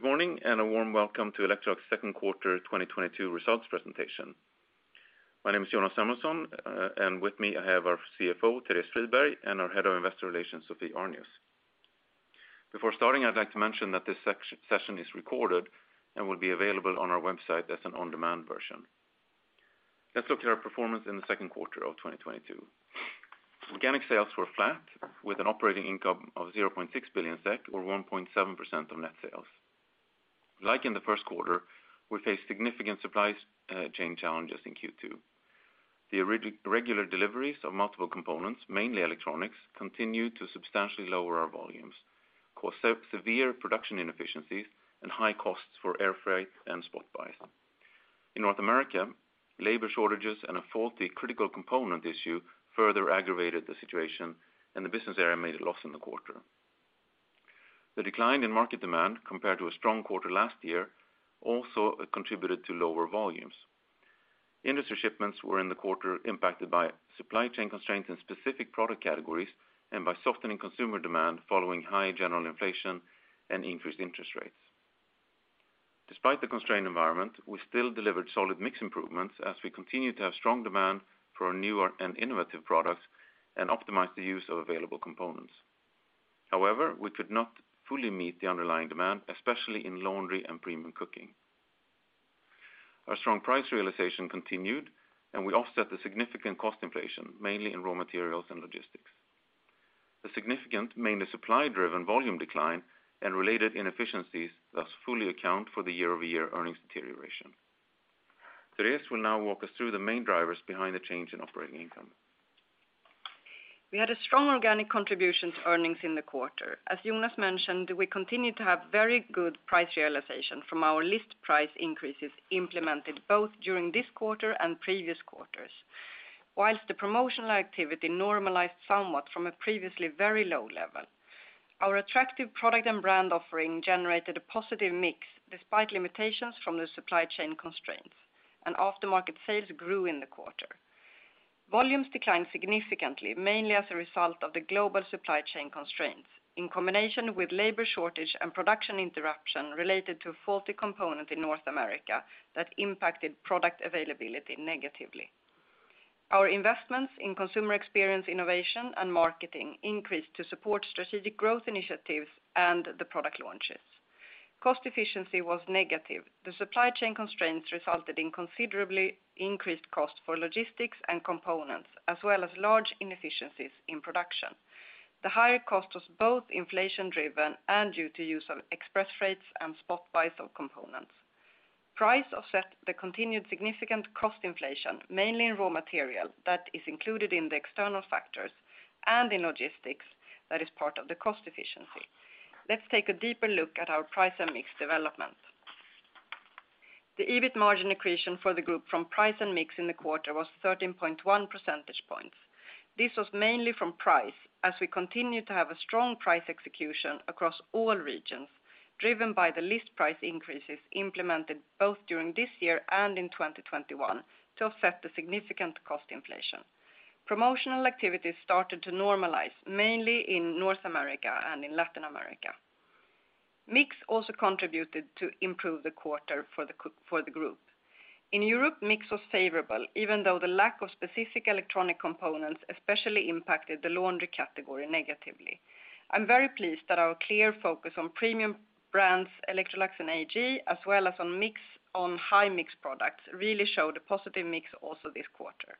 Good morning, and a warm welcome to Electrolux second quarter 2022 results presentation. My name is Jonas Samuelson, and with me, I have our CFO, Therese Friberg, and our Head of Investor Relations, Sophie Arnius. Before starting, I'd like to mention that this session is recorded and will be available on our website as an on-demand version. Let's look at our performance in the second quarter of 2022. Organic sales were flat with an operating income of 0.6 billion SEK or 1.7% of net sales. Like in the first quarter, we faced significant supply chain challenges in Q2. The irregular deliveries of multiple components, mainly electronics, continued to substantially lower our volumes and caused severe production inefficiencies and high costs for air freight and spot buys. In North America, labor shortages and a faulty critical component issue further aggravated the situation, and the business area made a loss in the quarter. The decline in market demand compared to a strong quarter last year also contributed to lower volumes. Industry shipments were in the quarter impacted by supply chain constraints in specific product categories and by softening consumer demand following high general inflation and increased interest rates. Despite the constrained environment, we still delivered solid mix improvements as we continue to have strong demand for our newer and innovative products and optimize the use of available components. However, we could not fully meet the underlying demand, especially in laundry and premium cooking. Our strong price realization continued, and we offset the significant cost inflation, mainly in raw materials and logistics. The significant, mainly supply-driven volume decline and related inefficiencies thus fully account for the year-over-year earnings deterioration. Therese will now walk us through the main drivers behind the change in operating income. We had a strong organic contribution to earnings in the quarter. As Jonas mentioned, we continued to have very good price realization from our list price increases implemented both during this quarter and previous quarters. While the promotional activity normalized somewhat from a previously very low level, our attractive product and brand offering generated a positive mix despite limitations from the supply chain constraints, and aftermarket sales grew in the quarter. Volumes declined significantly, mainly as a result of the global supply chain constraints in combination with labor shortage and production interruption related to a faulty component in North America that impacted product availability negatively. Our investments in consumer experience, innovation, and marketing increased to support strategic growth initiatives and the product launches. Cost efficiency was negative. The supply chain constraints resulted in considerably increased cost for logistics and components, as well as large inefficiencies in production. The higher cost was both inflation-driven and due to use of express rates and spot buys of components. Price offset the continued significant cost inflation, mainly in raw material that is included in the external factors and in logistics that is part of the cost efficiency. Let's take a deeper look at our price and mix development. The EBIT margin accretion for the group from price and mix in the quarter was 13.1 percentage points. This was mainly from price, as we continue to have a strong price execution across all regions, driven by the list price increases implemented both during this year and in 2021 to offset the significant cost inflation. Promotional activities started to normalize, mainly in North America and in Latin America. Mix also contributed to improve the quarter for the group. In Europe, mix was favorable, even though the lack of specific electronic components especially impacted the laundry category negatively. I'm very pleased that our clear focus on premium brands, Electrolux and AEG, as well as on high mix products, really showed a positive mix also this quarter.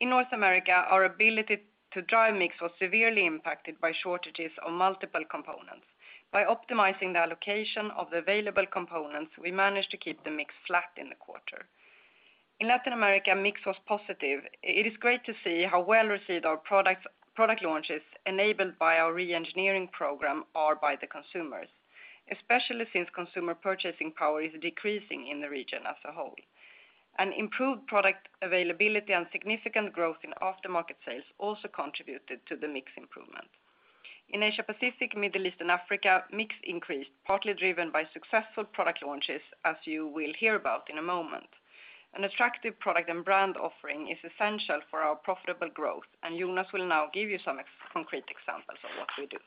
In North America, our ability to drive mix was severely impacted by shortages of multiple components. By optimizing the allocation of the available components, we managed to keep the mix flat in the quarter. In Latin America, mix was positive. It is great to see how well received our products, product launches enabled by our re-engineering program are by the consumers, especially since consumer purchasing power is decreasing in the region as a whole. An improved product availability and significant growth in aftermarket sales also contributed to the mix improvement. In Asia Pacific, Middle East, and Africa, mix increased, partly driven by successful product launches, as you will hear about in a moment. An attractive product and brand offering is essential for our profitable growth, and Jonas will now give you some concrete examples of what we do.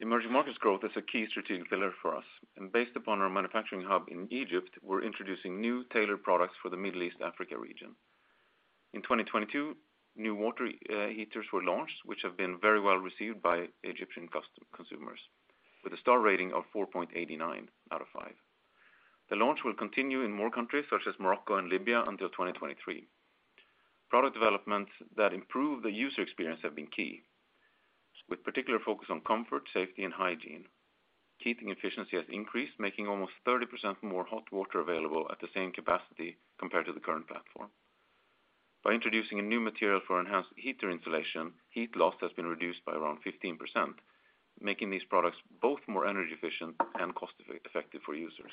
Emerging markets growth is a key strategic pillar for us. Based upon our manufacturing hub in Egypt, we're introducing new tailored products for the Middle East Africa region. In 2022, new water heaters were launched, which have been very well received by Egyptian consumers with a star rating of 4.89 out of 5. The launch will continue in more countries such as Morocco and Libya until 2023. Product developments that improve the user experience have been key, with particular focus on comfort, safety, and hygiene. Heating efficiency has increased, making almost 30% more hot water available at the same capacity compared to the current platform. By introducing a new material for enhanced heater insulation, heat loss has been reduced by around 15%, making these products both more energy efficient and cost effective for users.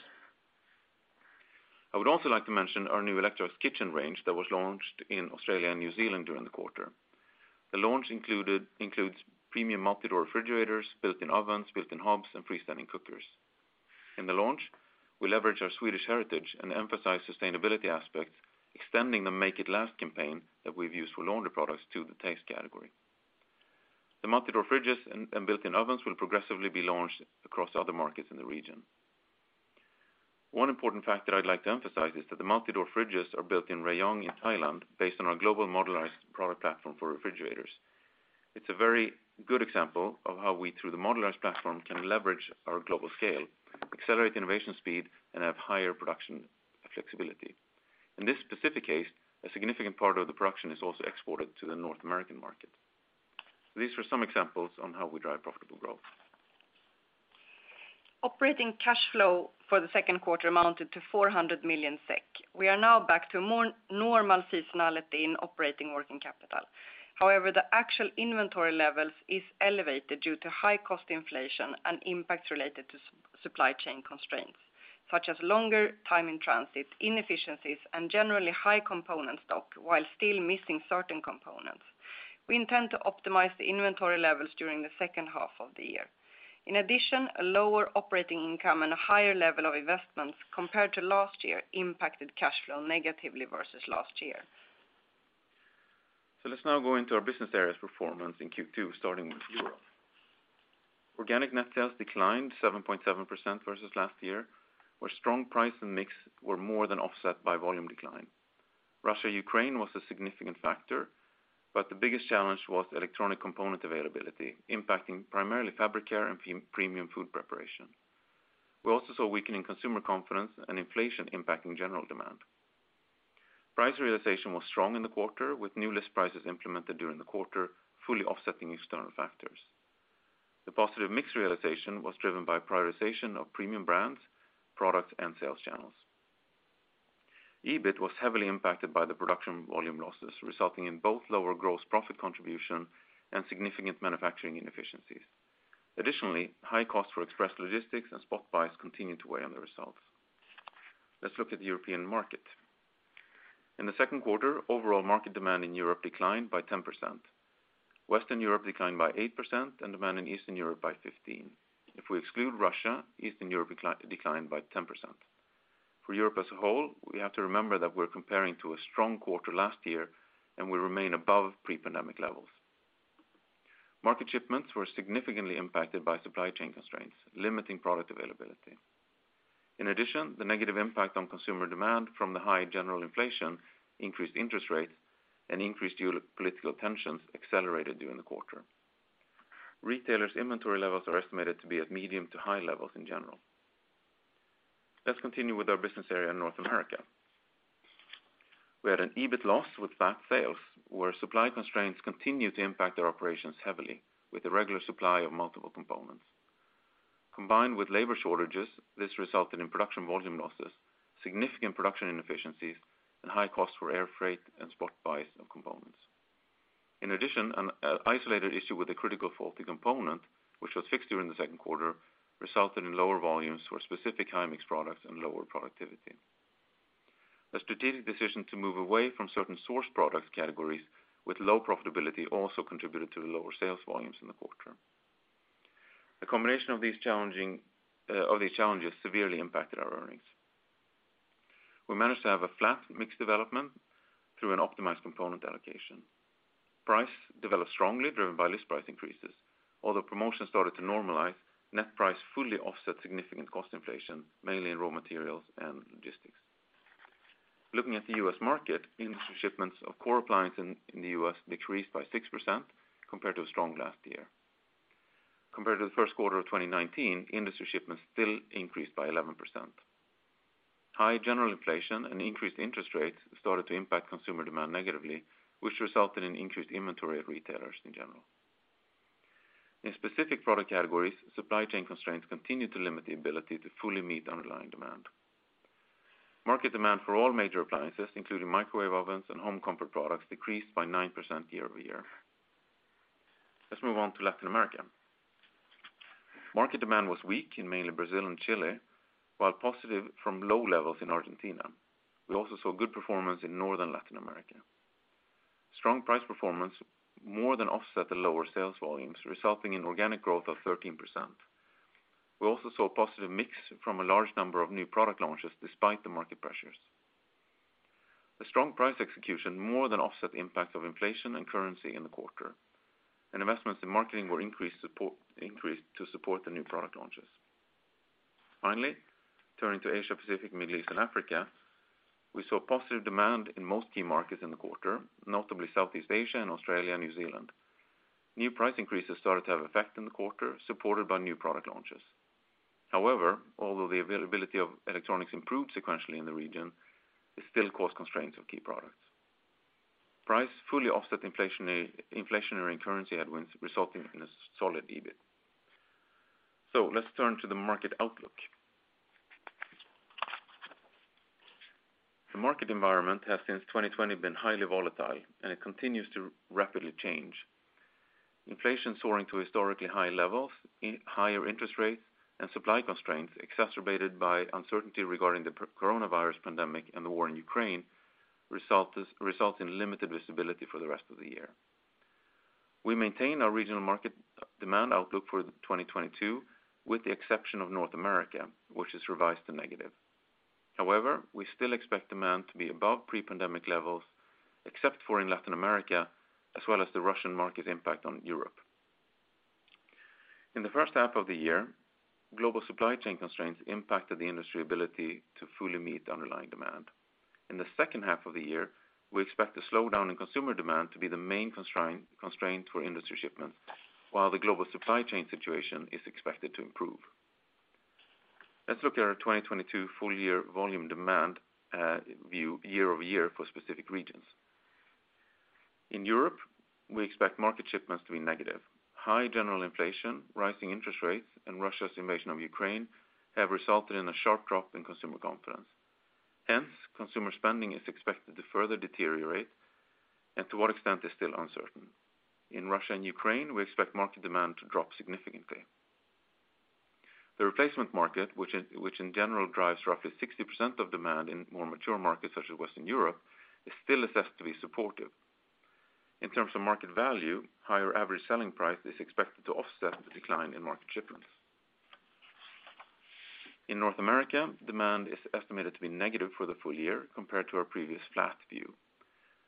I would also like to mention our new Electrolux kitchen range that was launched in Australia and New Zealand during the quarter. The launch includes premium multi-door refrigerators, built-in ovens, built-in hobs, and freestanding cookers. In the launch, we leverage our Swedish heritage and emphasize sustainability aspects, extending the Make It Last campaign that we've used for laundry products to the Taste category. The multi-door fridges and built-in ovens will progressively be launched across other markets in the region. One important factor I'd like to emphasize is that the multi-door fridges are built in Rayong in Thailand based on our global modularized product platform for refrigerators. It's a very good example of how we, through the modularized platform, can leverage our global scale, accelerate innovation speed, and have higher production flexibility. In this specific case, a significant part of the production is also exported to the North American market. These are some examples on how we drive profitable growth. Operating cash flow for the second quarter amounted to 400 million SEK. We are now back to a more normal seasonality in operating working capital. However, the actual inventory levels is elevated due to high cost inflation and impacts related to supply chain constraints, such as longer time in transit, inefficiencies, and generally high component stock while still missing certain components. We intend to optimize the inventory levels during the second half of the year. In addition, a lower operating income and a higher level of investments compared to last year impacted cash flow negatively versus last year. Let's now go into our business areas performance in Q2, starting with Europe. Organic net sales declined 7.7% versus last year, where strong price and mix were more than offset by volume decline. Russia, Ukraine was a significant factor, but the biggest challenge was electronic component availability, impacting primarily fabric care and pre-premium food preparation. We also saw weakening consumer confidence and inflation impacting general demand. Price realization was strong in the quarter, with new list prices implemented during the quarter, fully offsetting external factors. The positive mix realization was driven by prioritization of premium brands, products, and sales channels. EBIT was heavily impacted by the production volume losses, resulting in both lower gross profit contribution and significant manufacturing inefficiencies. Additionally, high cost for express logistics and spot buys continued to weigh on the results. Let's look at the European market. In the second quarter, overall market demand in Europe declined by 10%. Western Europe declined by 8%, and demand in Eastern Europe by 15%. If we exclude Russia, Eastern Europe declined by 10%. For Europe as a whole, we have to remember that we're comparing to a strong quarter last year, and we remain above pre-pandemic levels. Market shipments were significantly impacted by supply chain constraints, limiting product availability. In addition, the negative impact on consumer demand from the high general inflation, increased interest rates, and increased geopolitical tensions accelerated during the quarter. Retailers' inventory levels are estimated to be at medium to high levels in general. Let's continue with our business area in North America. We had an EBIT loss with flat sales, where supply constraints continued to impact our operations heavily with the regular supply of multiple components. Combined with labor shortages, this resulted in production volume losses, significant production inefficiencies, and high costs for air freight and spot buys of components. In addition, an isolated issue with a critical faulty component, which was fixed during the second quarter, resulted in lower volumes for specific high-mix products and lower productivity. A strategic decision to move away from certain source products categories with low profitability also contributed to the lower sales volumes in the quarter. The combination of these challenges severely impacted our earnings. We managed to have a flat mix development through an optimized component allocation. Price developed strongly, driven by list price increases. Although promotion started to normalize, net price fully offset significant cost inflation, mainly in raw materials and logistics. Looking at the U.S. market, industry shipments of core appliances in the U.S. decreased by 6% compared to a strong last year. Compared to the first quarter of 2019, industry shipments still increased by 11%. High general inflation and increased interest rates started to impact consumer demand negatively, which resulted in increased inventory at retailers in general. In specific product categories, supply chain constraints continued to limit the ability to fully meet underlying demand. Market demand for all major appliances, including microwave ovens and home comfort products, decreased by 9% year-over-year. Let's move on to Latin America. Market demand was weak in mainly Brazil and Chile, while positive from low levels in Argentina. We also saw good performance in Northern Latin America. Strong price performance more than offset the lower sales volumes, resulting in organic growth of 13%. We also saw a positive mix from a large number of new product launches despite the market pressures. The strong price execution more than offset the impact of inflation and currency in the quarter, and investments in marketing were increased to support the new product launches. Finally, turning to Asia Pacific, Middle East and Africa, we saw positive demand in most key markets in the quarter, notably Southeast Asia and Australia, New Zealand. New price increases started to have effect in the quarter, supported by new product launches. However, although the availability of electronics improved sequentially in the region, it still caused constraints of key products. Prices fully offset inflationary and currency headwinds, resulting in a solid EBIT. Let's turn to the market outlook. The market environment has, since 2020, been highly volatile, and it continues to rapidly change. Inflation soaring to historically high levels, and higher interest rates, and supply constraints exacerbated by uncertainty regarding the COVID-19 coronavirus pandemic and the war in Ukraine result in limited visibility for the rest of the year. We maintain our regional market demand outlook for 2022, with the exception of North America, which is revised to negative. However, we still expect demand to be above pre-pandemic levels, except for in Latin America, as well as the Russian market impact on Europe. In the first half of the year, global supply chain constraints impacted the industry's ability to fully meet the underlying demand. In the second half of the year, we expect a slowdown in consumer demand to be the main constraint for industry shipments, while the global supply chain situation is expected to improve. Let's look at our 2022 full year volume demand view year-over-year for specific regions. In Europe, we expect market shipments to be negative. High general inflation, rising interest rates, and Russia's invasion of Ukraine have resulted in a sharp drop in consumer confidence. Hence, consumer spending is expected to further deteriorate, and to what extent is still uncertain. In Russia and Ukraine, we expect market demand to drop significantly. The replacement market, which in general drives roughly 60% of demand in more mature markets such as Western Europe, is still assessed to be supportive. In terms of market value, higher average selling price is expected to offset the decline in market shipments. In North America, demand is estimated to be negative for the full year compared to our previous flat view.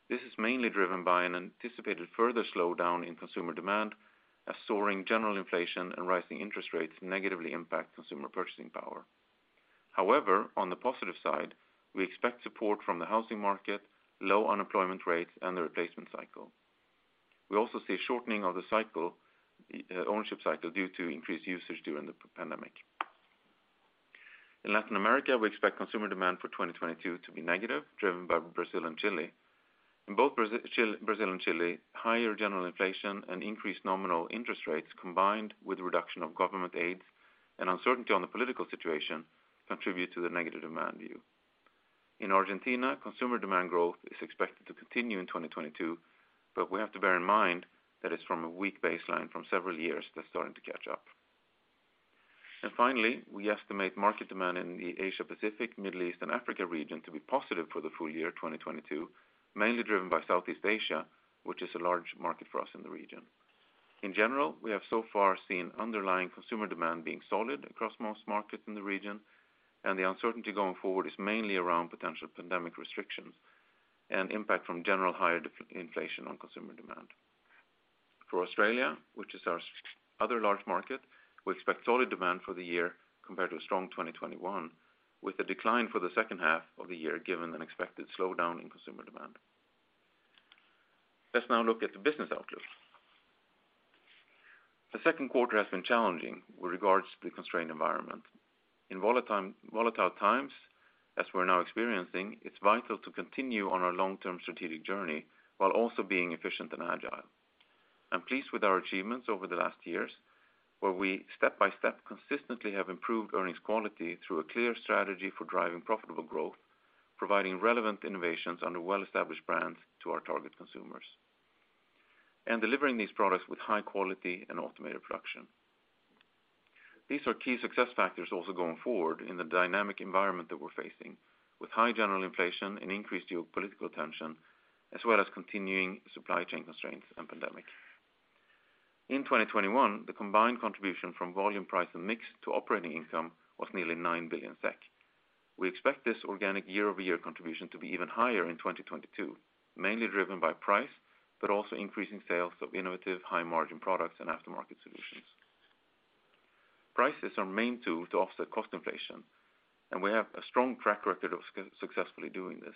This is mainly driven by an anticipated further slowdown in consumer demand as soaring general inflation and rising interest rates negatively impact consumer purchasing power. However, on the positive side, we expect support from the housing market, low unemployment rates, and the replacement cycle. We also see a shortening of the cycle, ownership cycle due to increased usage during the pandemic. In Latin America, we expect consumer demand for 2022 to be negative, driven by Brazil and Chile. In both Brazil and Chile, higher general inflation and increased nominal interest rates, combined with reduction of government aid and uncertainty on the political situation contribute to the negative demand view. In Argentina, consumer demand growth is expected to continue in 2022, but we have to bear in mind that it's from a weak baseline from several years that's starting to catch up. Finally, we estimate market demand in the Asia Pacific, Middle East, and Africa region to be positive for the full year 2022, mainly driven by Southeast Asia, which is a large market for us in the region. In general, we have so far seen underlying consumer demand being solid across most markets in the region, and the uncertainty going forward is mainly around potential pandemic restrictions and impact from general higher inflation on consumer demand. For Australia, which is our other large market, we expect solid demand for the year compared to a strong 2021, with a decline for the second half of the year given an expected slowdown in consumer demand. Let's now look at the business outlook. The second quarter has been challenging with regards to the constrained environment. In volatile times, as we're now experiencing, it's vital to continue on our long-term strategic journey while also being efficient and agile. I'm pleased with our achievements over the last years, where we step by step consistently have improved earnings quality through a clear strategy for driving profitable growth, providing relevant innovations under well-established brands to our target consumers, and delivering these products with high quality and automated production. These are key success factors also going forward in the dynamic environment that we're facing with high general inflation and increased geopolitical tension, as well as continuing supply chain constraints and pandemic. In 2021, the combined contribution from volume, price and mix to operating income was nearly 9 billion SEK. We expect this organic year-over-year contribution to be even higher in 2022, mainly driven by price, but also increasing sales of innovative high-margin products and aftermarket solutions. Price is our main tool to offset cost inflation, and we have a strong track record of successfully doing this.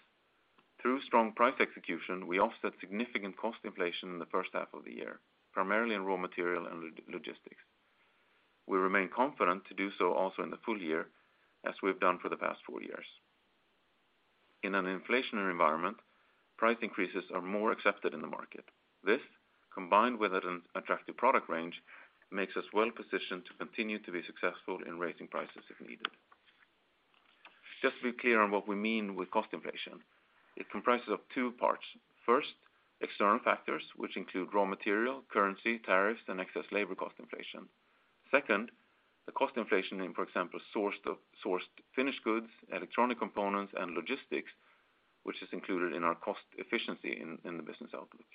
Through strong price execution, we offset significant cost inflation in the first half of the year, primarily in raw material and logistics. We remain confident to do so also in the full year as we've done for the past four years. In an inflationary environment, price increases are more accepted in the market. This, combined with an attractive product range, makes us well-positioned to continue to be successful in raising prices if needed. Just to be clear on what we mean with cost inflation, it comprises of two parts. First, external factors, which include raw material, currency, tariffs, and excess labor cost inflation. Second, the cost inflation in, for example, sourced finished goods, electronic components, and logistics, which is included in our cost efficiency in the business outlook.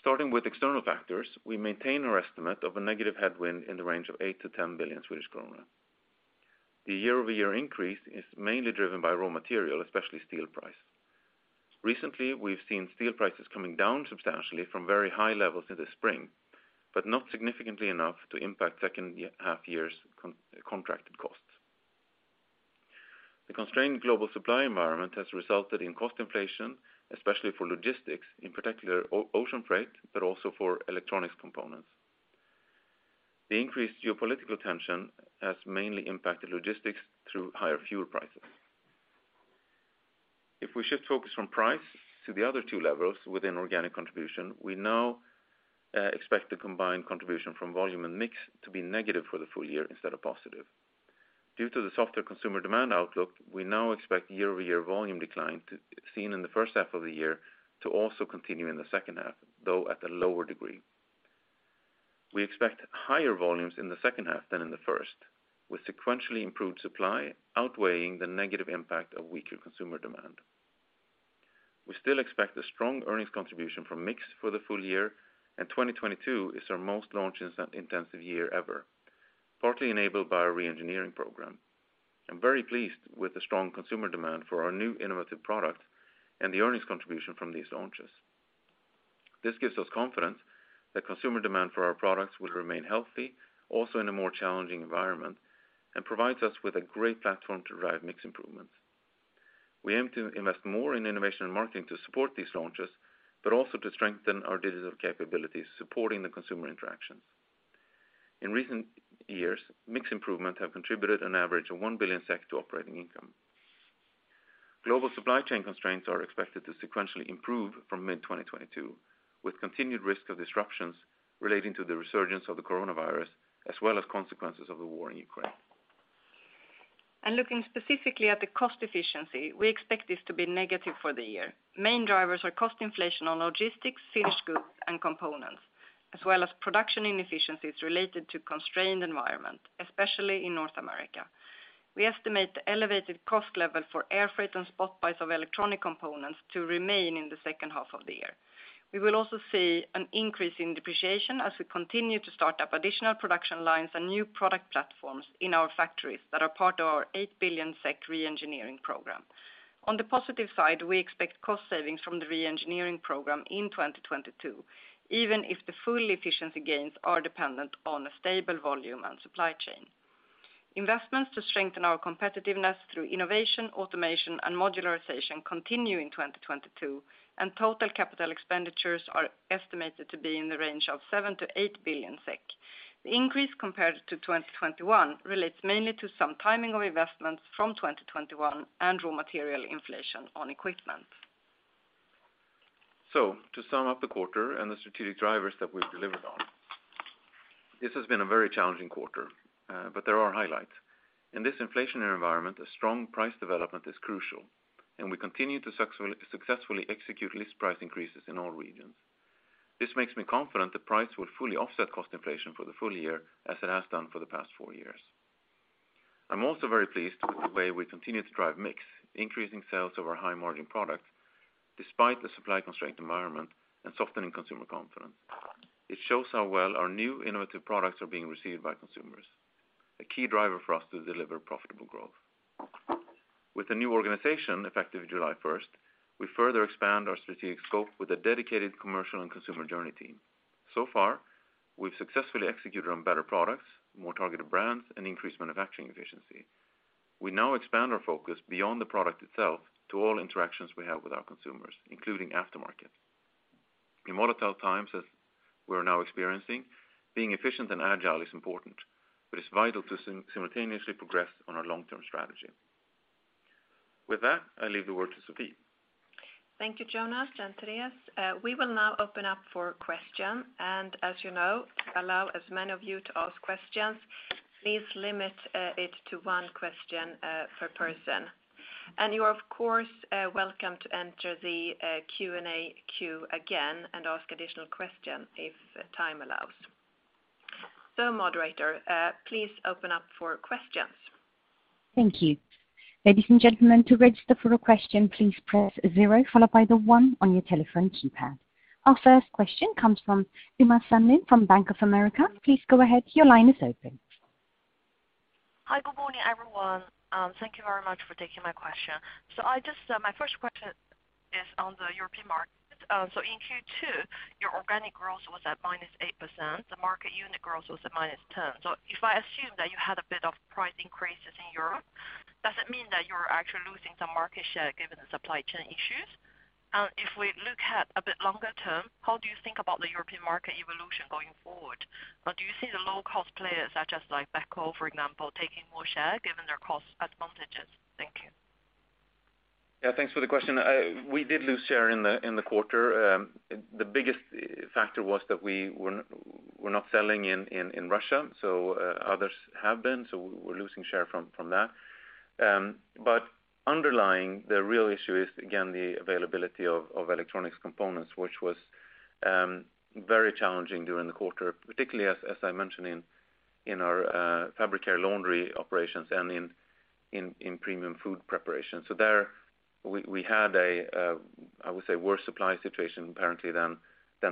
Starting with external factors, we maintain our estimate of a negative headwind in the range of 8 billion-10 billion Swedish kronor. The year-over-year increase is mainly driven by raw material, especially steel price. Recently, we've seen steel prices coming down substantially from very high levels in the spring, but not significantly enough to impact second half year's contracted costs. The constrained global supply environment has resulted in cost inflation, especially for logistics, in particular ocean freight, but also for electronic components. The increased geopolitical tension has mainly impacted logistics through higher fuel prices. If we shift focus from price to the other two levels within organic contribution, we now expect the combined contribution from volume and mix to be negative for the full year instead of positive. Due to the softer consumer demand outlook, we now expect year-over-year volume decline seen in the first half of the year to also continue in the second half, though at a lower degree. We expect higher volumes in the second half than in the first, with sequentially improved supply outweighing the negative impact of weaker consumer demand. We still expect a strong earnings contribution from mix for the full year, and 2022 is our most launch-intensive year ever, partly enabled by our re-engineering program. I'm very pleased with the strong consumer demand for our new innovative product and the earnings contribution from these launches. This gives us confidence that consumer demand for our products will remain healthy also in a more challenging environment, and provides us with a great platform to drive mix improvements. We aim to invest more in innovation and marketing to support these launches, but also to strengthen our digital capabilities supporting the consumer interactions. In recent years, mix improvements have contributed an average of 1 billion SEK to operating income. Global supply chain constraints are expected to sequentially improve from mid-2022, with continued risk of disruptions relating to the resurgence of the coronavirus as well as consequences of the war in Ukraine. Looking specifically at the cost efficiency, we expect this to be negative for the year. Main drivers are cost inflation on logistics, finished goods, and components, as well as production inefficiencies related to constrained environment, especially in North America. We estimate the elevated cost level for air freight and spot buys of electronic components to remain in the second half of the year. We will also see an increase in depreciation as we continue to start up additional production lines and new product platforms in our factories that are part of our 8 billion SEK re-engineering program. On the positive side, we expect cost savings from the re-engineering program in 2022, even if the full efficiency gains are dependent on a stable volume and supply chain. Investments to strengthen our competitiveness through innovation, automation, and modularization continue in 2022, and total capital expenditures are estimated to be in the range of 7 billion-8 billion SEK. The increase compared to 2021 relates mainly to some timing of investments from 2021 and raw material inflation on equipment. To sum up the quarter and the strategic drivers that we've delivered on, this has been a very challenging quarter, but there are highlights. In this inflationary environment, a strong price development is crucial, and we continue to successfully execute list price increases in all regions. This makes me confident that price will fully offset cost inflation for the full year as it has done for the past four years. I'm also very pleased with the way we continue to drive mix, increasing sales of our high-margin products despite the supply constraint environment and softening consumer confidence. It shows how well our new innovative products are being received by consumers, a key driver for us to deliver profitable growth. With the new organization effective July 1st, we further expand our strategic scope with a dedicated commercial and consumer journey team. So far, we've successfully executed on better products, more targeted brands, and increased manufacturing efficiency. We now expand our focus beyond the product itself to all interactions we have with our consumers, including aftermarket. In volatile times as we're now experiencing, being efficient and agile is important, but it's vital to simultaneously progress on our long-term strategy. With that, I leave the word to Sophie. Thank you, Jonas and Therese. We will now open up for questions. As you know, to allow as many of you to ask questions, please limit it to one question per person. You are of course welcome to enter the Q&A queue again and ask additional questions if time allows. Moderator, please open up for questions. Thank you. Ladies and gentlemen, to register for a question, please press zero followed by the one on your telephone keypad. Our first question comes from Uma Samlin from Bank of America. Please go ahead, your line is open. Hi, good morning, everyone. Thank you very much for taking my question. I just, my first question is on the European market. In Q2, your organic growth was at -8%. The market unit growth was at -10%. If I assume that you had a bit of price increases in Europe, does it mean that you're actually losing some market share given the supply chain issues? If we look at a bit longer term, how do you think about the European market evolution going forward? Do you see the low-cost players such as like Beko, for example, taking more share given their cost advantages? Thank you. Yeah. Thanks for the question. We did lose share in the quarter. The biggest factor was that we're not selling in Russia, so others have been, so we're losing share from that. Underlying the real issue is again, the availability of electronics components, which was very challenging during the quarter, particularly as I mentioned in our fabric care laundry operations and in premium food preparation. There we had a worse supply situation apparently than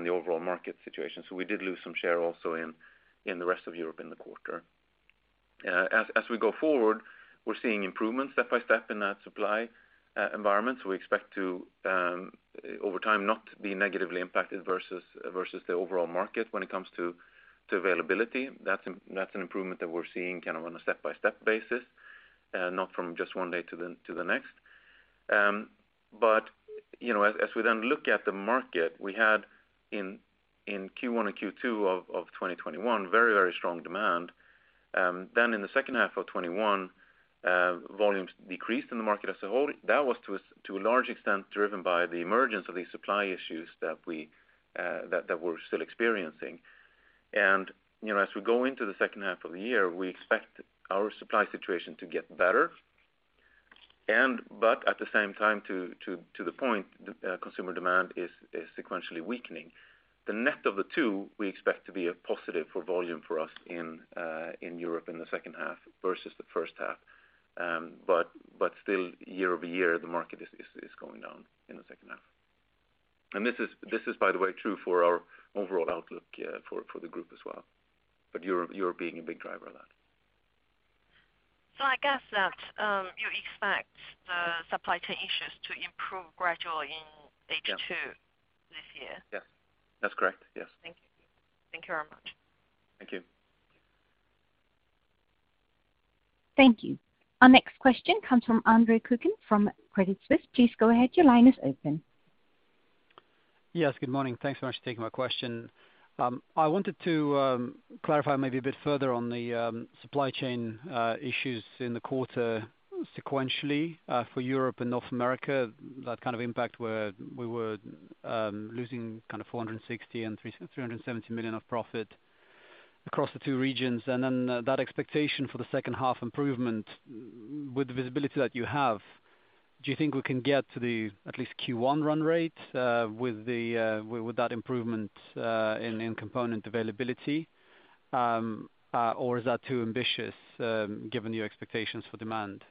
the overall market situation. We did lose some share also in the rest of Europe in the quarter. As we go forward, we're seeing improvements step by step in that supply environment. We expect to over time not be negatively impacted versus the overall market when it comes to availability. That's an improvement that we're seeing kind of on a step-by-step basis, not from just one day to the next. You know, as we then look at the market, we had in Q1 and Q2 of 2021 very strong demand. In the second half of 2021, volumes decreased in the market as a whole. That was to a large extent driven by the emergence of these supply issues that we're still experiencing. You know, as we go into the second half of the year, we expect our supply situation to get better and but at the same time, to the point, the consumer demand is sequentially weakening. The net of the two we expect to be a positive for volume for us in Europe in the second half versus the first half. Still year over year, the market is going down in the second half. This is, by the way, true for our overall outlook for the group as well. Europe being a big driver of that. I guess that you expect the supply chain issues to improve gradually in H2 this year? Yes. That's correct. Yes. Thank you. Thank you very much. Thank you. Thank you. Our next question comes from Andre Kukhnin from Credit Suisse. Please go ahead. Your line is open. Yes, good morning. Thanks so much for taking my question. I wanted to clarify maybe a bit further on the supply chain issues in the quarter sequentially for Europe and North America, that kind of impact where we were losing kind of 460 million and 370 million of profit across the two regions, and then that expectation for the second half improvement with the visibility that you have. Do you think we can get to at least the Q1 run rate with that improvement in component availability? Or is that too ambitious given your expectations for demand?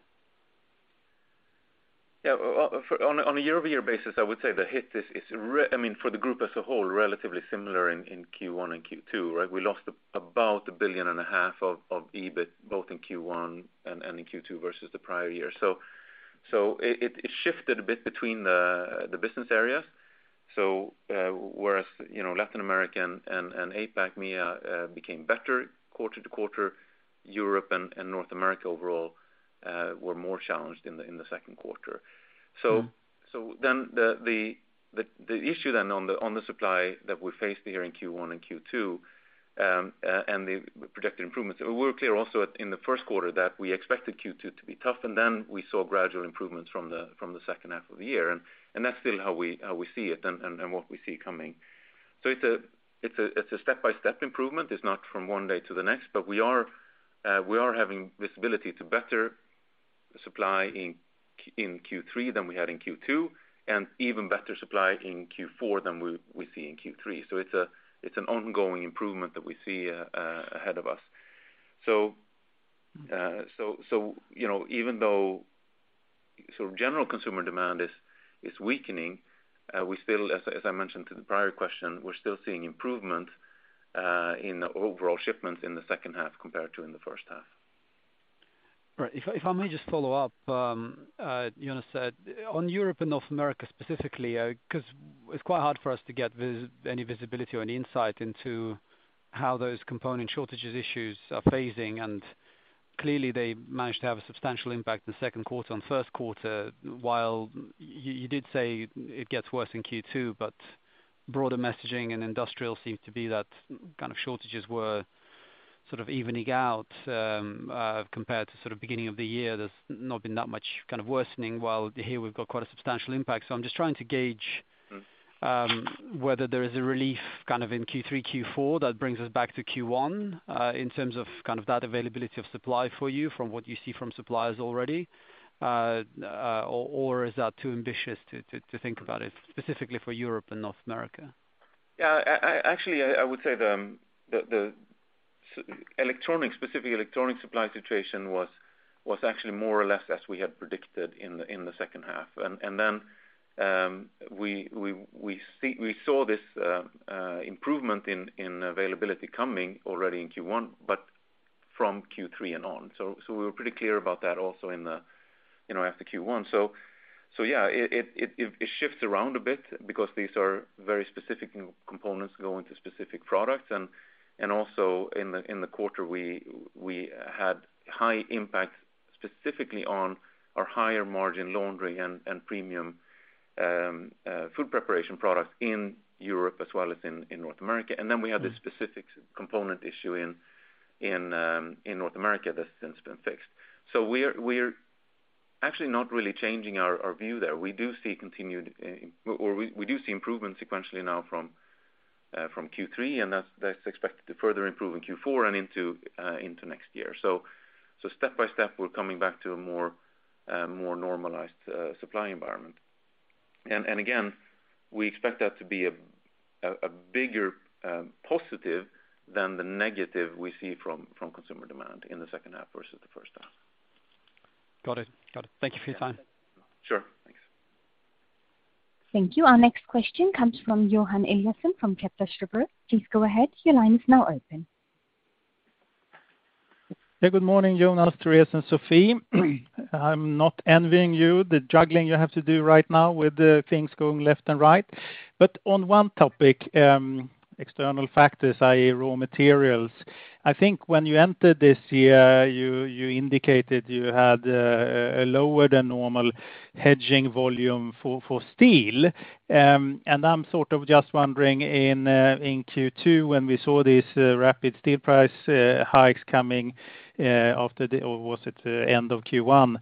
On a year-over-year basis, I would say the hit is, I mean, for the group as a whole, relatively similar in Q1 and Q2, right? We lost about 1.5 billion of EBIT, both in Q1 and in Q2 versus the prior year. It shifted a bit between the business areas. Whereas, you know, Latin American and APAC, MEA, became better quarter-over-quarter, Europe and North America overall were more challenged in the second quarter. Mm. The issue then on the supply that we faced here in Q1 and Q2, and the projected improvements, we were clear also in the first quarter that we expected Q2 to be tough, and then we saw gradual improvements from the second half of the year. That's still how we see it and what we see coming. It's a step-by-step improvement. It's not from one day to the next, but we are having visibility to better supply in Q3 than we had in Q2, and even better supply in Q4 than we see in Q3. It's an ongoing improvement that we see ahead of us. You know, even though sort of general consumer demand is weakening, we still, as I mentioned to the prior question, we're still seeing improvement in the overall shipments in the second half compared to in the first half. Right. If I may just follow up, Jonas, on Europe and North America specifically, 'cause it's quite hard for us to get any visibility or any insight into how those component shortages issues are phasing. Clearly, they managed to have a substantial impact in the second quarter and first quarter, while you did say it gets worse in Q2, but broader messaging and industrial seems to be that kind of shortages were sort of evening out, compared to sort of beginning of the year. There's not been that much kind of worsening, while here we've got quite a substantial impact. I'm just trying to gauge Whether there is a relief kind of in Q3, Q4 that brings us back to Q1 in terms of kind of that availability of supply for you from what you see from suppliers already, or is that too ambitious to think about it specifically for Europe and North America? Yeah. Actually, I would say the specific electronic supply situation was actually more or less as we had predicted in the second half. We saw this improvement in availability coming already in Q1, but from Q3 and on. We were pretty clear about that also in the, you know, after Q1. Yeah, it shifts around a bit because these are very specific components going to specific products. Also in the quarter, we had high impact specifically on our higher margin laundry and premium food preparation products in Europe as well as in North America. We had this specific component issue in North America that's since been fixed. We're actually not really changing our view there. We do see improvement sequentially now from Q3, and that's expected to further improve in Q4 and into next year. Step-by-step, we're coming back to a more normalized supply environment. Again, we expect that to be a bigger positive than the negative we see from consumer demand in the second half versus the first half. Got it. Thank you for your time. Sure. Thanks. Thank you. Our next question comes from Johan Eliason from Kepler Cheuvreux. Please go ahead. Your line is now open. Yeah. Good morning, Jonas, Therese, and Sophie. I'm not envying you, the juggling you have to do right now with the things going left and right. On one topic, external factors, i.e. raw materials. I think when you entered this year, you indicated you had a lower than normal hedging volume for steel. I'm sort of just wondering in Q2 when we saw these rapid steel price hikes coming, or was it end of Q1?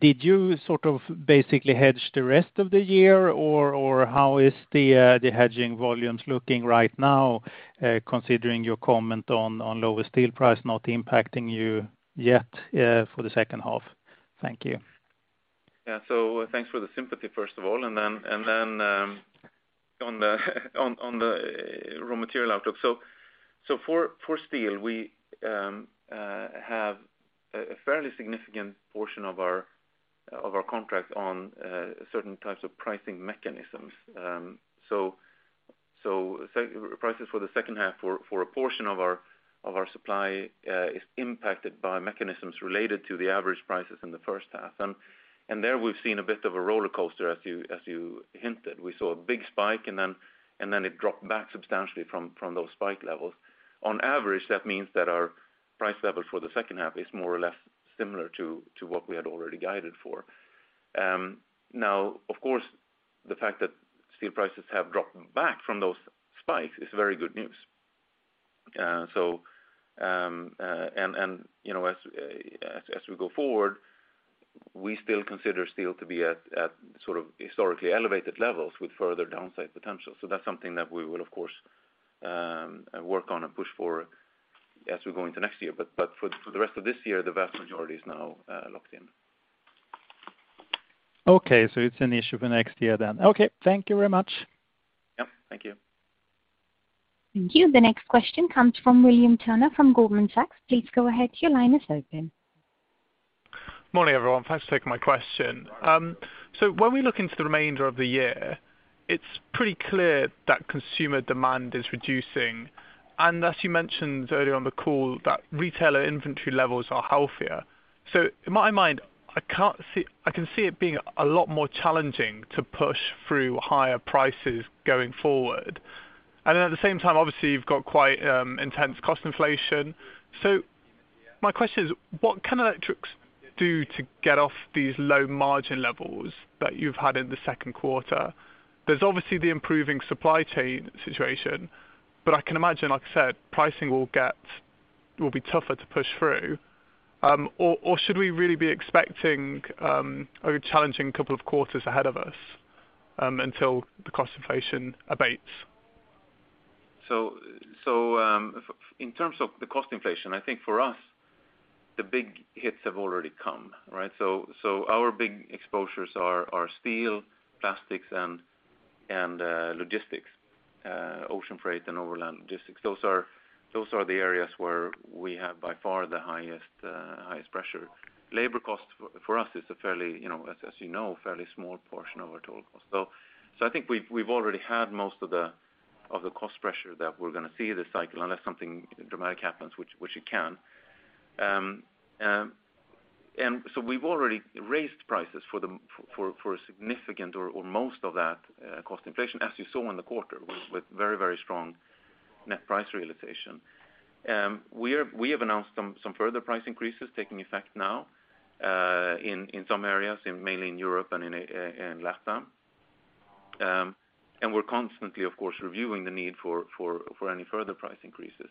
Did you sort of basically hedge the rest of the year? Or how is the hedging volumes looking right now, considering your comment on lower steel price not impacting you yet for the second half? Thank you. Yeah. Thanks for the sympathy, first of all. On the raw material outlook. For steel, we have a fairly significant portion of our contract on certain types of pricing mechanisms. Prices for the second half for a portion of our supply is impacted by mechanisms related to the average prices in the first half. There we've seen a bit of a rollercoaster, as you hinted. We saw a big spike and then it dropped back substantially from those spike levels. On average, that means that our price level for the second half is more or less similar to what we had already guided for. Now of course, the fact that steel prices have dropped back from those spikes is very good news. You know, as we go forward, we still consider steel to be at sort of historically elevated levels with further downside potential. That's something that we will of course work on and push for as we go into next year. For the rest of this year, the vast majority is now locked in. Okay. It's an issue for next year then. Okay, thank you very much. Yep. Thank you. Thank you. The next question comes from William Turner from Goldman Sachs. Please go ahead, your line is open. Morning, everyone. Thanks for taking my question. When we look into the remainder of the year, it's pretty clear that consumer demand is reducing. As you mentioned earlier on the call, that retailer inventory levels are healthier. In my mind, I can see it being a lot more challenging to push through higher prices going forward. At the same time, obviously you've got quite intense cost inflation. My question is, what can Electrolux do to get off these low margin levels that you've had in the second quarter? There's obviously the improving supply chain situation, but I can imagine, like I said, pricing will be tougher to push through. Or should we really be expecting a challenging couple of quarters ahead of us until the cost inflation abates? In terms of the cost inflation, I think for us, the big hits have already come, right? Our big exposures are steel, plastics and logistics, ocean freight and overland logistics. Those are the areas where we have by far the highest pressure. Labor costs for us is a fairly, you know, as you know, fairly small portion of our total cost. I think we've already had most of the cost pressure that we're gonna see this cycle, unless something dramatic happens, which it can. We've already raised prices for a significant or most of that cost inflation, as you saw in the quarter with very strong net price realization. We have announced some further price increases taking effect now, in some areas, mainly in Europe and LATAM. We're constantly, of course, reviewing the need for any further price increases.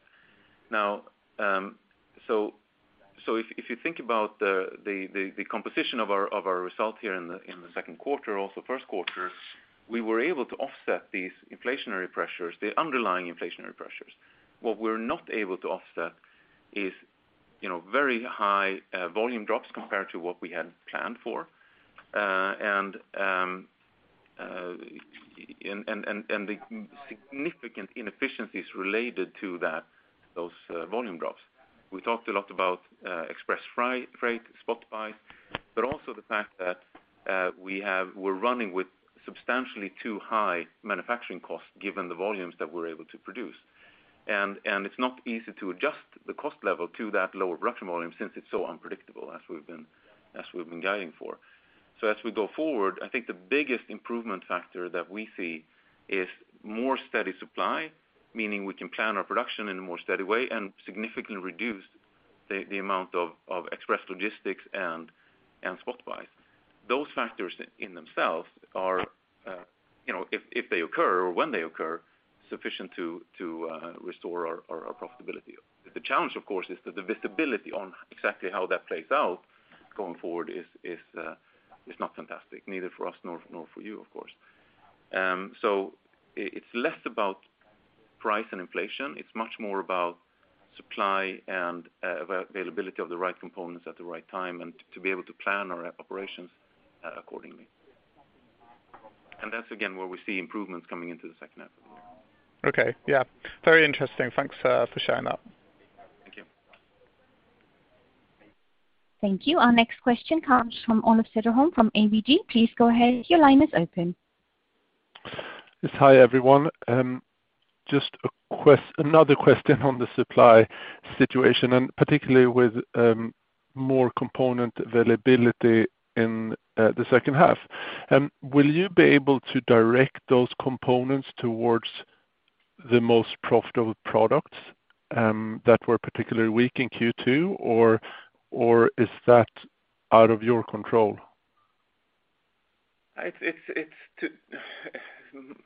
If you think about the composition of our result here in the second quarter, also first quarter, we were able to offset these inflationary pressures, the underlying inflationary pressures. What we're not able to offset is, you know, very high volume drops compared to what we had planned for, and the significant inefficiencies related to those volume drops. We talked a lot about express freight spot buys, but also the fact that we have. We're running with substantially too high manufacturing costs given the volumes that we're able to produce. It's not easy to adjust the cost level to that lower production volume since it's so unpredictable as we've been guiding for. As we go forward, I think the biggest improvement factor that we see is more steady supply, meaning we can plan our production in a more steady way and significantly reduce the amount of express logistics and spot buys. Those factors in themselves are, you know, if they occur or when they occur, sufficient to restore our profitability. The challenge of course is that the visibility on exactly how that plays out going forward is not fantastic, neither for us nor for you, of course. It's less about price and inflation. It's much more about supply and availability of the right components at the right time, and to be able to plan our operations accordingly. That's again where we see improvements coming into the second half of the year. Okay. Yeah. Very interesting. Thanks for sharing that. Thank you. Thank you. Our next question comes from Olof Cederholm from ABG. Please go ahead, your line is open. Yes. Hi, everyone. Just another question on the supply situation, and particularly with more component availability in the second half. Will you be able to direct those components towards the most profitable products that were particularly weak in Q2? Or is that out of your control? It's to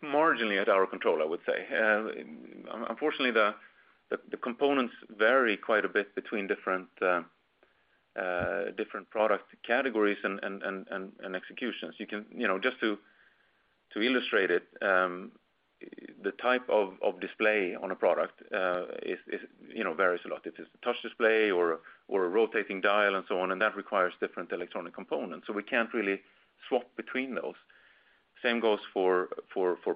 marginally at our control, I would say. Unfortunately, the components vary quite a bit between different product categories and executions. You can, you know, just to illustrate it. The type of display on a product is, you know, varies a lot. If it's a touch display or a rotating dial and so on, and that requires different electronic components. So we can't really swap between those. Same goes for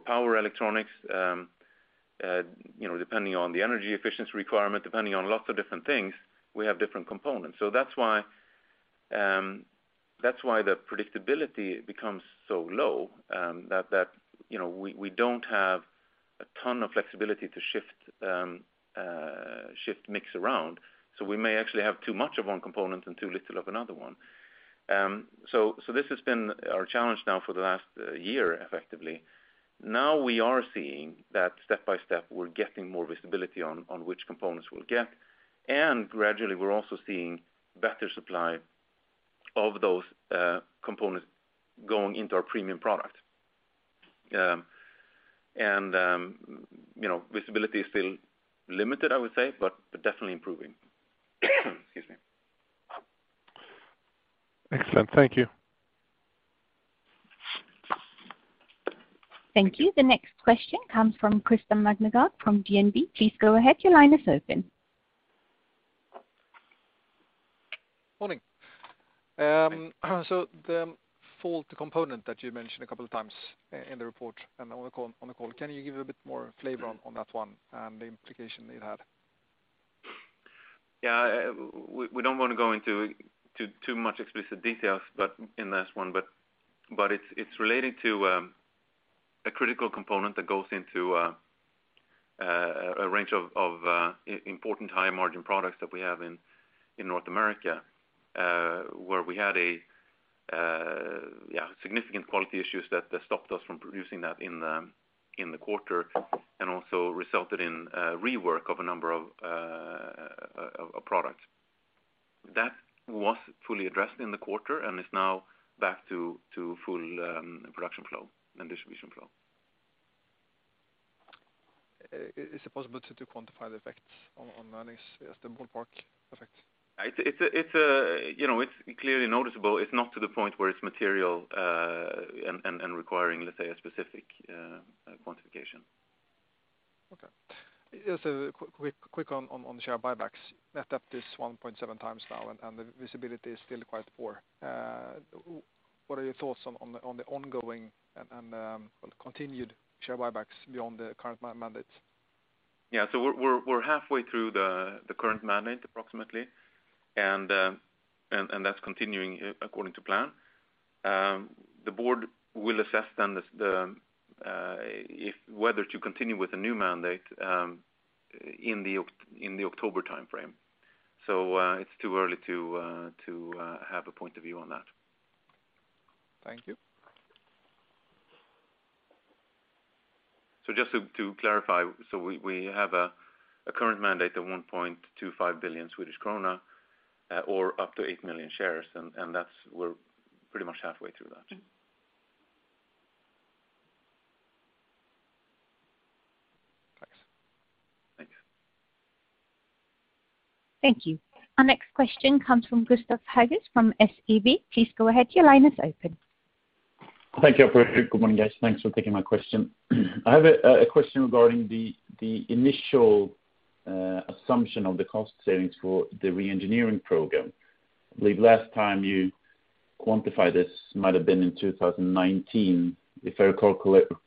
power electronics. You know, depending on the energy efficiency requirement, depending on lots of different things, we have different components. So that's why the predictability becomes so low, that you know, we don't have a ton of flexibility to shift mix around. We may actually have too much of one component and too little of another one. This has been our challenge now for the last year, effectively. Now we are seeing that step by step, we're getting more visibility on which components we'll get, and gradually we're also seeing better supply of those, components going into our premium product. You know, visibility is still limited, I would say, but definitely improving. Excuse me. Excellent. Thank you. Thank you. The next question comes from Krista Magnusson from DNB. Please go ahead. Your line is open. Morning. The cost component that you mentioned a couple of times in the report and on the call, can you give a bit more flavor on that one and the implication it had? Yeah. We don't wanna go into too much explicit details, but in this one it's relating to a critical component that goes into a range of important high margin products that we have in North America, where we had significant quality issues that stopped us from producing that in the quarter and also resulted in rework of a number of products. That was fully addressed in the quarter and is now back to full production flow and distribution flow. Is it possible to quantify the effects on earnings as the ballpark effect? You know, it's clearly noticeable. It's not to the point where it's material and requiring, let's say, a specific quantification. Okay. Just a quick on share buybacks. Net up 1.7 times now and the visibility is still quite poor. What are your thoughts on the ongoing and continued share buybacks beyond the current mandate? We're halfway through the current mandate approximately, and that's continuing according to plan. The board will assess then whether to continue with a new mandate in the October timeframe. It's too early to have a point of view on that. Thank you. Just to clarify, we have a current mandate of 1.25 billion Swedish krona or up to 8 million shares, and that's where we're pretty much halfway through that. Mm-hmm. Thanks. Thanks. Thank you. Our next question comes from Gustav Hagéus from SEB. Please go ahead. Your line is open. Thank you. Good morning, guys. Thanks for taking my question. I have a question regarding the initial assumption of the cost savings for the re-engineering program. I believe last time you quantified this might have been in 2019. If I recall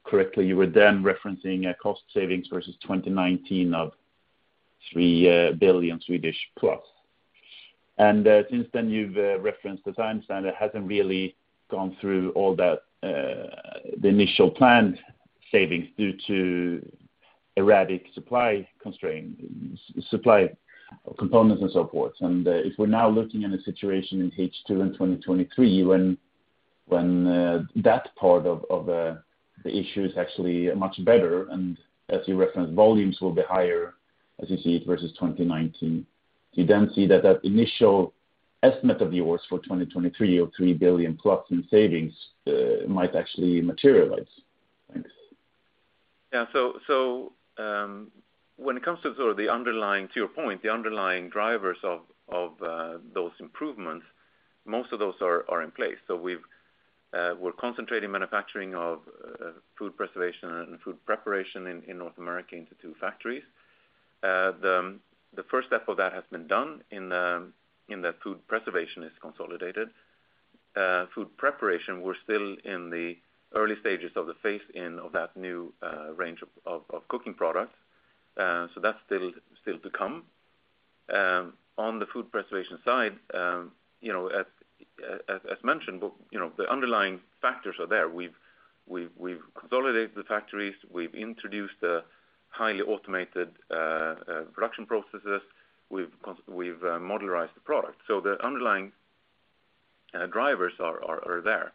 correctly, you were then referencing a cost savings versus 2019 of 3 billion+. Since then you've referenced the timeline hasn't really gone through all that the initial planned savings due to erratic supply constraints, supply components and so forth. If we're now looking in a situation in H2 in 2023, when that part of the issue is actually much better, and as you referenced, volumes will be higher as you see it versus 2019. Do you then see that initial estimate of yours for 2023 of 3 billion+ in savings might actually materialize? Thanks. Yeah. When it comes to sort of the underlying, to your point, the underlying drivers of those improvements, most of those are in place. We're concentrating manufacturing of food preservation and food preparation in North America into two factories. The first step of that has been done. Food preservation is consolidated. Food preparation, we're still in the early stages of the phase-in of that new range of cooking products. That's still to come. On the food preservation side, you know, as mentioned, you know, the underlying factors are there. We've consolidated the factories, we've introduced the highly automated production processes. We've modularized the product. The underlying drivers are there.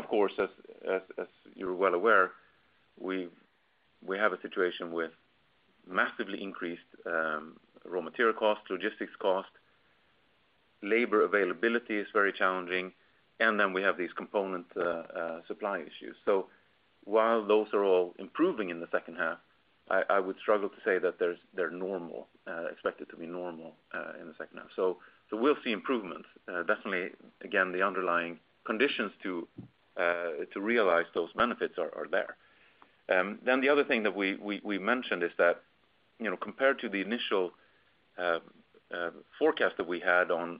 Of course, as you're well aware, we have a situation with massively increased raw material costs, logistics costs, labor availability is very challenging, and then we have these component supply issues. While those are all improving in the second half, I would struggle to say that they're normal, expected to be normal, in the second half. We'll see improvements. Definitely, again, the underlying conditions to realize those benefits are there. The other thing that we mentioned is that, you know, compared to the initial forecast that we had on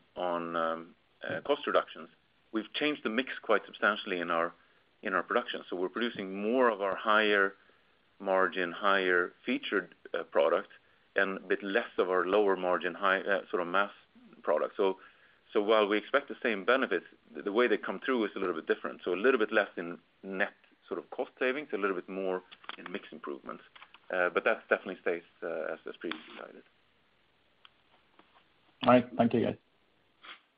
cost reductions, we've changed the mix quite substantially in our production. We're producing more of our higher margin, higher featured, product and a bit less of our lower margin, high, sort of mass product. While we expect the same benefits, the way they come through is a little bit different. A little bit less in net sort of cost savings, a little bit more in mix improvements. But that definitely stays, as previously guided. All right. Thank you, guys.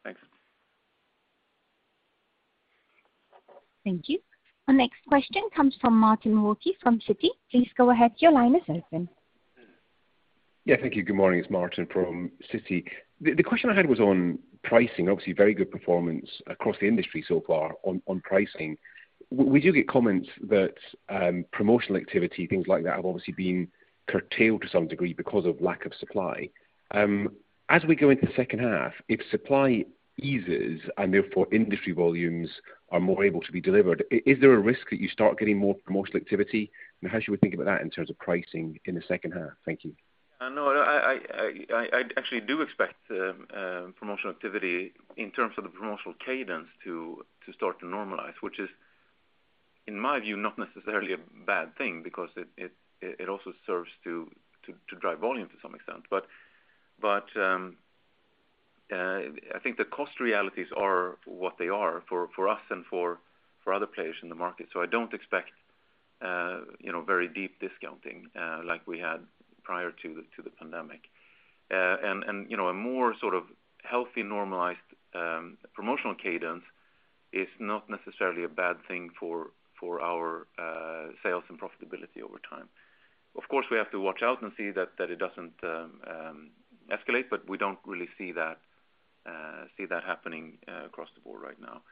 Thanks. Thank you. Our next question comes from Martin Wilkie from Citi. Please go ahead, your line is open. Yeah, thank you. Good morning. It's Martin from Citi. The question I had was on pricing. Obviously, very good performance across the industry so far on pricing. We do get comments that promotional activity, things like that, have obviously been curtailed to some degree because of lack of supply. As we go into the second half, if supply eases and therefore industry volumes are more able to be delivered, is there a risk that you start getting more promotional activity? How should we think about that in terms of pricing in the second half? Thank you. No, I actually do expect promotional activity in terms of the promotional cadence to start to normalize, which is, in my view, not necessarily a bad thing because it also serves to drive volume to some extent. I think the cost realities are what they are for us and for other players in the market. I don't expect, you know, very deep discounting like we had prior to the pandemic. You know, a more sort of healthy, normalized promotional cadence is not necessarily a bad thing for our sales and profitability over time. Of course, we have to watch out and see that it doesn't escalate, but we don't really see that happening across the board right now.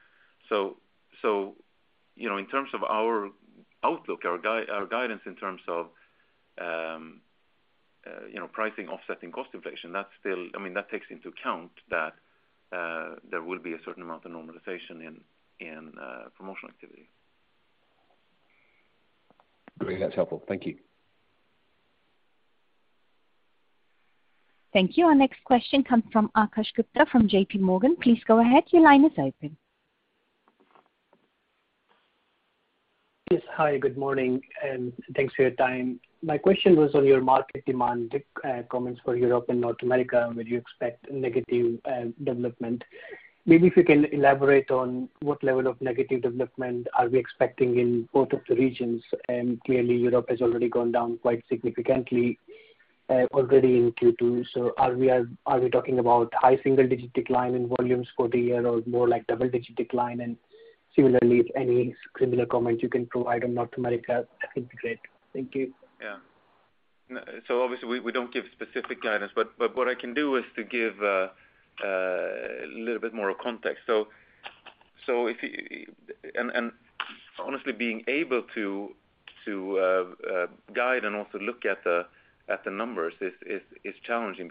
You know, in terms of our outlook, our guidance in terms of, you know, pricing offsetting cost inflation, that's still. I mean, that takes into account that there will be a certain amount of normalization in promotional activity. Great. That's helpful. Thank you. Thank you. Our next question comes from Akash Gupta from J.P. Morgan. Please go ahead, your line is open. Yes. Hi, good morning, and thanks for your time. My question was on your market demand comments for Europe and North America, where you expect negative development. Maybe if you can elaborate on what level of negative development are we expecting in both of the regions. Clearly Europe has already gone down quite significantly already in Q2. Are we talking about high single-digit decline in volumes for the year or more like double-digit decline? Similarly, if any similar comments you can provide on North America, that'd be great. Thank you. Yeah. Obviously we don't give specific guidance, but what I can do is to give a little bit more context. Honestly being able to guide and also look at the numbers is challenging.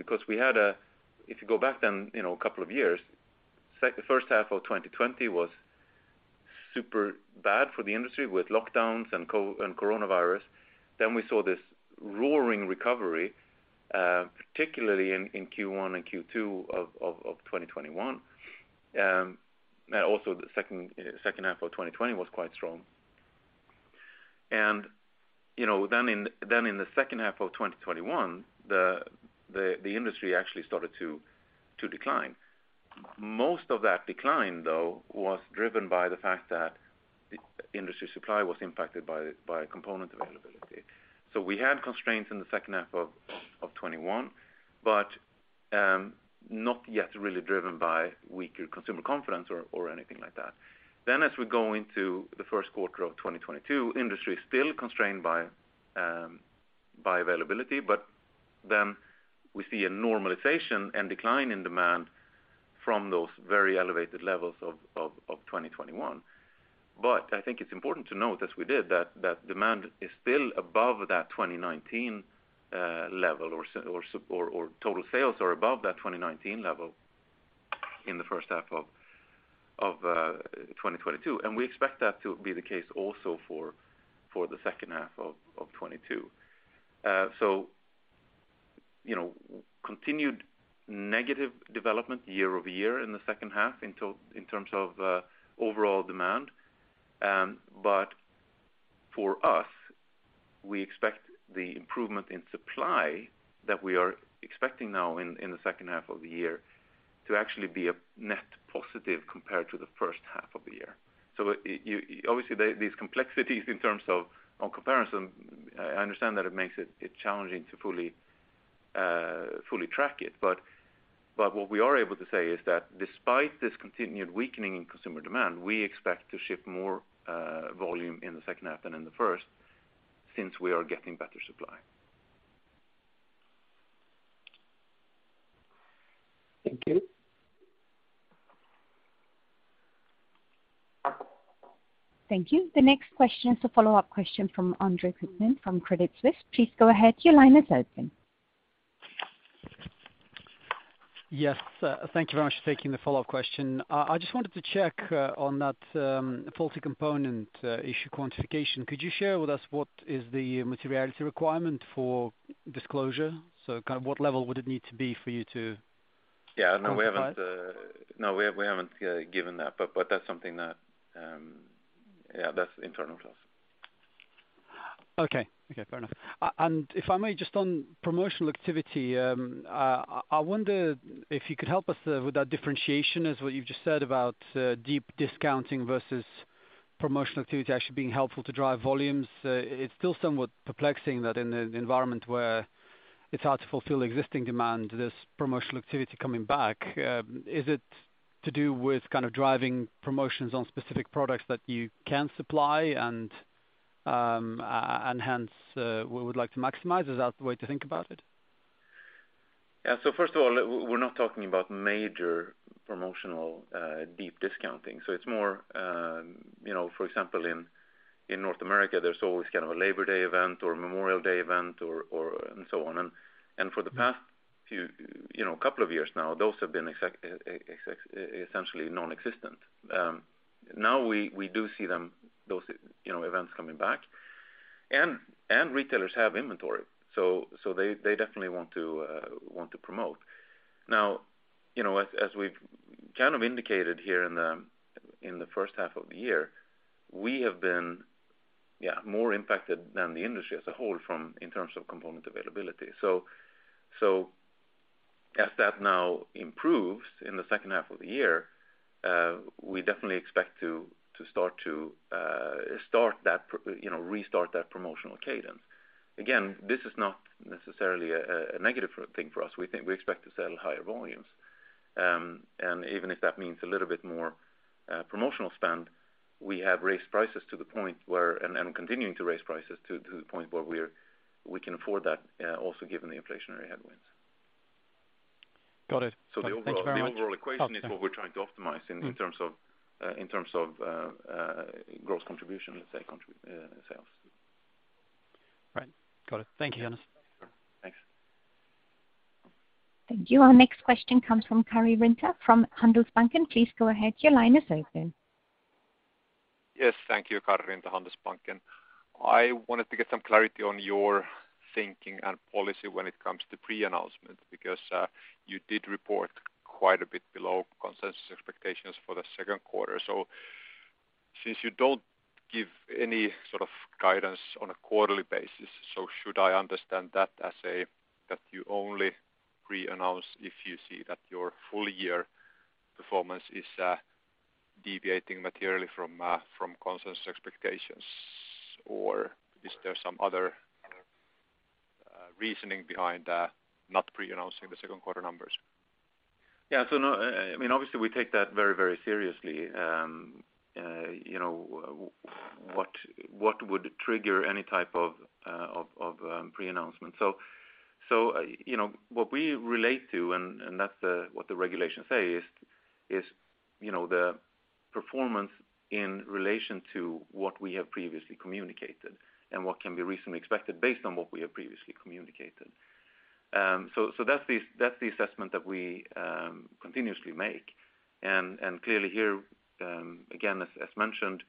If you go back then, you know, a couple of years, the first half of 2020 was super bad for the industry with lockdowns and COVID and coronavirus. Then we saw this roaring recovery, particularly in Q1 and Q2 of 2021. Also the second half of 2020 was quite strong. You know, then in the second half of 2021, the industry actually started to decline. Most of that decline, though, was driven by the fact that industry supply was impacted by component availability. We had constraints in the second half of 2021, but not yet really driven by weaker consumer confidence or anything like that. As we go into the first quarter of 2022, industry is still constrained by availability, but then we see a normalization and decline in demand from those very elevated levels of 2021. I think it's important to note, as we did, that demand is still above that 2019 level or total sales are above that 2019 level in the first half of 2022. We expect that to be the case also for the second half of 2022. You know, continued negative development year-over-year in the second half in terms of overall demand. For us, we expect the improvement in supply that we are expecting now in the second half of the year to actually be a net positive compared to the first half of the year. You obviously, these complexities in terms of comparison, I understand that it makes it challenging to fully track it. What we are able to say is that despite this continued weakening in consumer demand, we expect to ship more volume in the second half than in the first since we are getting better supply. Thank you. Thank you. The next question is a follow-up question from Andre Kukhnin from Credit Suisse. Please go ahead. Your line is open. Yes, thank you very much for taking the follow-up question. I just wanted to check on that faulty component issue quantification. Could you share with us what is the materiality requirement for disclosure? Kind of what level would it need to be for you to We haven't given that, but that's something that, yeah, that's internal to us. Okay. Okay, fair enough. If I may, just on promotional activity, I wonder if you could help us with that differentiation as what you've just said about deep discounting versus promotional activity actually being helpful to drive volumes. It's still somewhat perplexing that in an environment where it's hard to fulfill existing demand, there's promotional activity coming back. Is it to do with kind of driving promotions on specific products that you can supply and hence we would like to maximize? Is that the way to think about it? Yeah. First of all, we're not talking about major promotional deep discounting. It's more, you know, for example, in North America, there's always kind of a Labor Day event or a Memorial Day event or and so on. For the past few, you know, couple of years now, those have been essentially non-existent. Now we do see them, those, you know, events coming back. Retailers have inventory, so they definitely want to promote. Now, you know, as we've kind of indicated here in the first half of the year, we have been more impacted than the industry as a whole from in terms of component availability. As that now improves in the second half of the year, we definitely expect to start that, you know, restart that promotional cadence. Again, this is not necessarily a negative thing for us. We think we expect to sell higher volumes. Even if that means a little bit more promotional spend, we have raised prices to the point where and continuing to raise prices to the point where we can afford that, also given the inflationary headwinds. Got it. Thanks very much. The overall equation is what we're trying to optimize in terms of growth contribution, let's say, sales. Right. Got it. Thank you, Jonas. Thanks. Thank you. Our next question comes from Kari Rinta from Handelsbanken. Please go ahead. Your line is open. Yes. Thank you. Karri Rinta, Handelsbanken. I wanted to get some clarity on your thinking and policy when it comes to pre-announcement, because you did report quite a bit below consensus expectations for the second quarter. Since you don't give any sort of guidance on a quarterly basis, so should I understand that you only pre-announce if you see that your full year performance is deviating materially from consensus expectations? Or is there some other reasoning behind not pre-announcing the second quarter numbers? Yeah. No, I mean, obviously we take that very, very seriously, you know. What would trigger any type of pre-announcement. You know, what we relate to, that's what the regulations say is, you know, the performance in relation to what we have previously communicated and what can be reasonably expected based on what we have previously communicated. That's the assessment that we continuously make. Clearly here, again, as mentioned,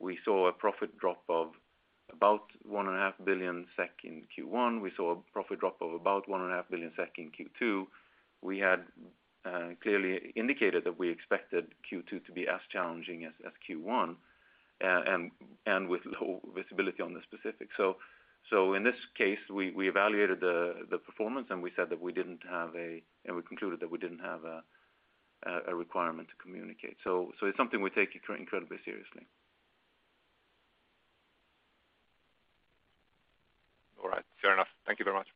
we saw a profit drop of about 1.5 Billion SEK in Q1. We saw a profit drop of about 1.5 Billion SEK in Q2. We had clearly indicated that we expected Q2 to be as challenging as Q1, with low visibility on the specifics. In this case, we evaluated the performance. We concluded that we didn't have a requirement to communicate. It's something we take incredibly seriously. All right. Fair enough. Thank you very much.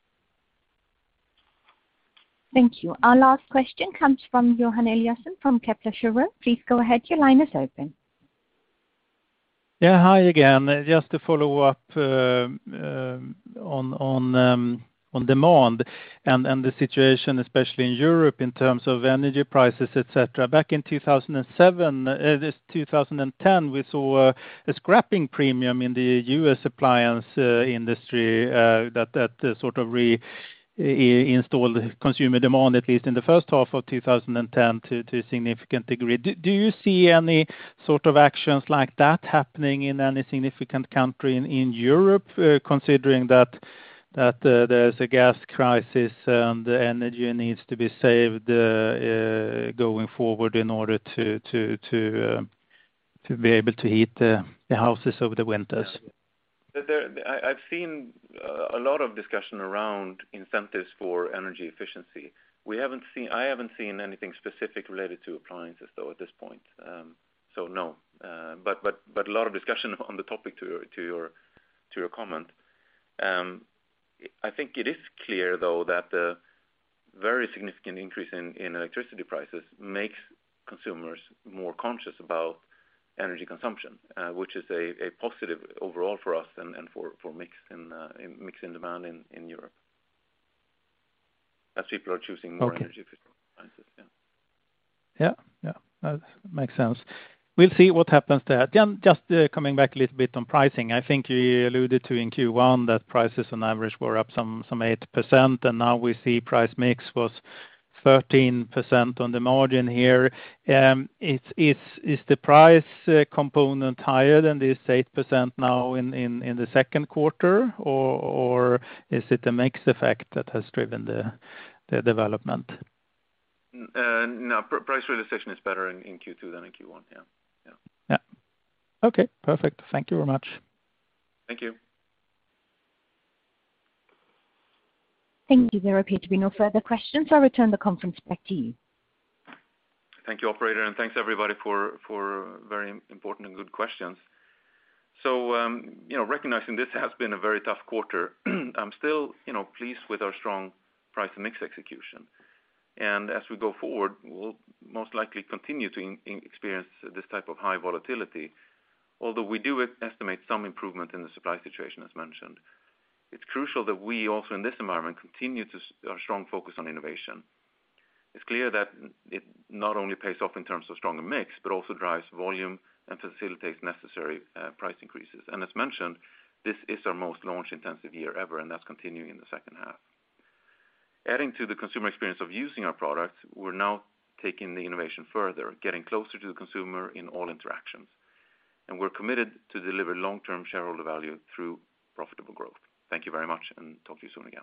Thank you. Our last question comes from Johan Eliason from Kepler Cheuvreux. Please go ahead. Your line is open. Yeah. Hi again. Just to follow up on demand and the situation, especially in Europe in terms of energy prices, et cetera. Back in 2007 through 2010, we saw a scrapping premium in the U.S. appliance industry that sort of reignited consumer demand, at least in the first half of 2010 to a significant degree. Do you see any sort of actions like that happening in any significant country in Europe, considering that there's a gas crisis and energy needs to be saved going forward in order to be able to heat the houses over the winters? I've seen a lot of discussion around incentives for energy efficiency. I haven't seen anything specific related to appliances, though, at this point. No. A lot of discussion on the topic to your comment. I think it is clear, though, that the very significant increase in electricity prices makes consumers more conscious about energy consumption, which is a positive overall for us and for mix in demand in Europe, as people are choosing more energy efficient appliances. Yeah. Yeah. That makes sense. We'll see what happens there. Just coming back a little bit on pricing. I think you alluded to in Q1 that prices on average were up some 8%, and now we see price mix was 13% on the margin here. Is the price component higher than this 8% now in the second quarter, or is it the mix effect that has driven the development? No. Price realization is better in Q2 than in Q1. Yeah. Yeah. Okay, perfect. Thank you very much. Thank you. Thank you. There appear to be no further questions. I'll return the conference back to you. Thank you, operator, and thanks, everybody, for very important and good questions. You know, recognizing this has been a very tough quarter, I'm still, you know, pleased with our strong price and mix execution. As we go forward, we'll most likely continue to experience this type of high volatility. Although we do estimate some improvement in the supply situation, as mentioned. It's crucial that we also in this environment continue to sustain our strong focus on innovation. It's clear that it not only pays off in terms of stronger mix, but also drives volume and facilitates necessary price increases. As mentioned, this is our most launch-intensive year ever, and that's continuing in the second half. Adding to the consumer experience of using our products, we're now taking the innovation further, getting closer to the consumer in all interactions, and we're committed to deliver long-term shareholder value through profitable growth. Thank you very much, and talk to you soon again.